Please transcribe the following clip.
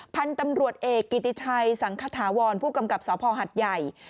พันธุ์ตำรวจเอกกิติชัยสังขถาวรผู้กำกับสภหัดใหญ่